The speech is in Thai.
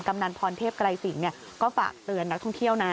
กำนันพรเทพไกรสินก็ฝากเตือนนักท่องเที่ยวนะ